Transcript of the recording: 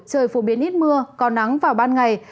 trời phổ biến ít mưa có nắng vào ban ngày